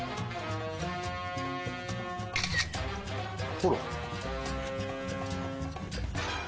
ほら。